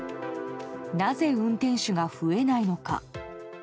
なぜ、運転手が増えないのか。